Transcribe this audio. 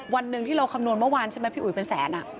วันหนึ่งที่เราคำนวณเมื่อวานใช่ไหมพี่อุ๋ยเป็นแสน